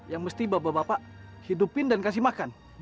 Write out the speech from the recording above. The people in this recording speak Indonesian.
yang mesti bapak bapak hidupin dan kasih makan